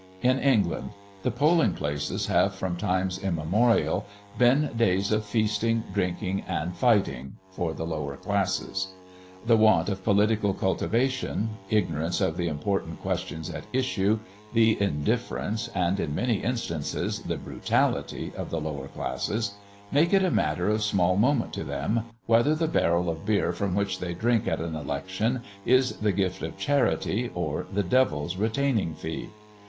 In England, the polling days have from times immemorial been days of feasting, drinking, and fighting for the lower classes. The want of political cultivation, ignorance of the important questions at issue, the indifference, and, in many instances, the brutality of the lower classes, make it a matter of small moment to them, whether the barrel of beer from which they drink at an election is the gift of charity, or the devil's retaining fee.